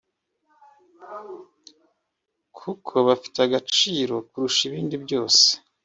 kuko bafite agaciro kurusha ibindi byose